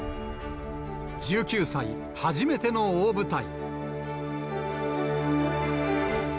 １９歳、初めての大舞台。